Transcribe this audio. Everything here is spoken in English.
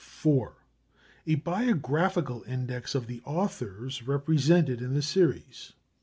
4. A biographical index of the authors represented in the series.